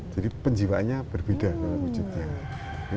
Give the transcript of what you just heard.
jadi penjiwanya berbeda kalau wujudnya